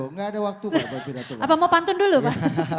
tidak ada waktu louder buat pindah itu pak